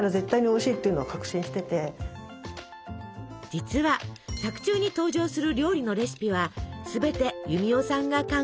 実は作中に登場する料理のレシピは全てユミヲさんが考えたもの。